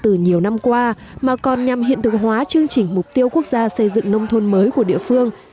từ nhiều năm qua mà còn nhằm hiện thực hóa chương trình mục tiêu quốc gia xây dựng nông thôn mới của địa phương